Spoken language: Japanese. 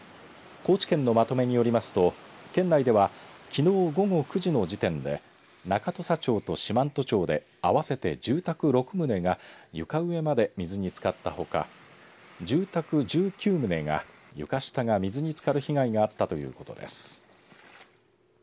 高知県のまとめによりますと県内ではきのう午後９時の時点で中土佐町と四万十町で合わせて住宅６棟が床上まで水につかったほか住宅１９棟が床下が水につかる被害があったということです。